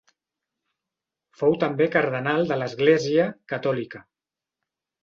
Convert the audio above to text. Fou també cardenal de l'Església Catòlica.